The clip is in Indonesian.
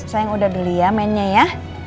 sayang udah dulu ya mainnya ya